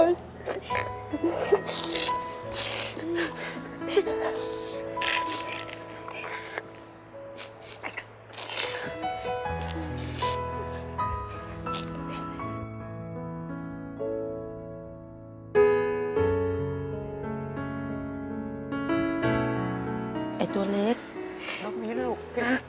ไอ้ตัวนี้ลูกลูกกับลูกงี้สิลูก